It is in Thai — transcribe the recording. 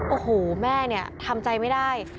โอ้โหแม่เนี่ยทำใจไม่ได้